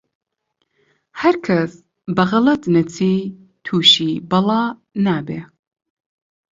هەرکەس بە غەڵەت نەچی، تووشی بەڵا نابێ